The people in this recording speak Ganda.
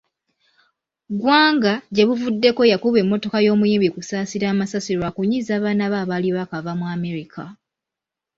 Gwanga gye buvuddeko yakuba emmotoka y'omuyimbi Kusaasira amasasi lwa kunyiiza baana be abaali baakava mu America.